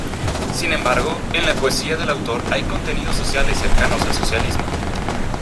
Sin embargo, en la poesía del autor hay contenidos sociales cercanos al socialismo.